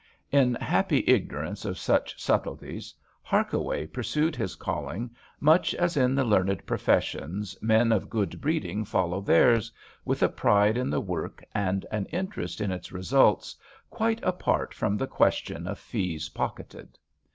In happy ignorance of such subtleties, Harkaway pursued his calling much as in the learned professions men of good breeding follow theirs, with a pride in the work and an interest in its results quite apart from the question of fees pocketed.